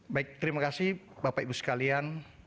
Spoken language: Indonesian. baik terima kasih bapak ibu sekalian